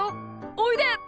おいで！